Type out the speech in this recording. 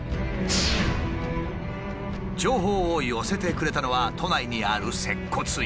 情報を寄せてくれたのは都内にある接骨院。